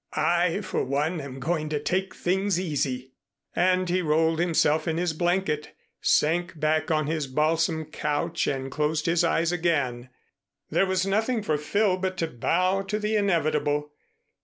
I for one am going to take things easy." And he rolled himself in his blanket, sank back on his balsam couch and closed his eyes again. There was nothing for Phil but to bow to the inevitable.